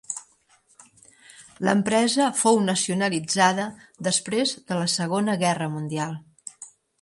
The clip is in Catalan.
L'empresa fou nacionalitzada després de la Segona Guerra Mundial.